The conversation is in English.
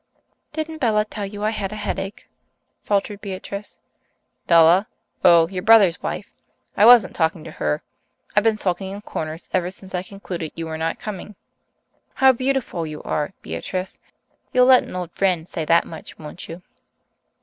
"Didn't Bella tell you I had a headache?" faltered Beatrice. "Bella? Oh, your brother's wife! I wasn't talking to her. I've been sulking in corners ever since I concluded you were not coming. How beautiful you are, Beatrice! You'll let an old friend say that much, won't you?"